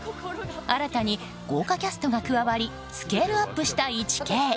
新たに豪華キャストが加わりスケールアップした「イチケイ」。